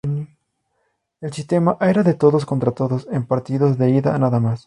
El sistema era de todos contra todos, en partidos de ida nada más.